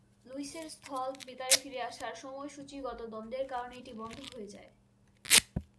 লুইসের স্থল বেতারে ফিরে আসার সময়সূচীগত দ্বন্দ্বের কারণে এটি বন্ধ হয়ে যায়।